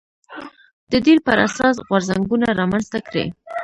د دین پر اساس غورځنګونه رامنځته کړي